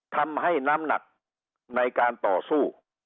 ทำให้น้ำหนักในการต่อสู้